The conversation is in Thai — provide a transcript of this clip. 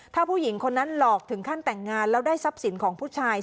ถ้าผู้หญิงคนนั้นหลอกถึงขั้นแต่งงานแล้วได้ทรัพย์สินของผู้ชาย